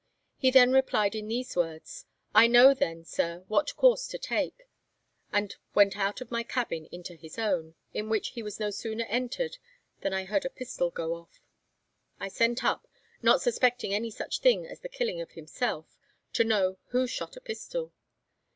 He then replied in these words, 'I know then, sir, what course to take,' and went out of my cabin into his own, in which he was no sooner entered than I heard a pistol go off. I sent up, not suspecting any such thing as the killing of himself, to know who shot a pistol.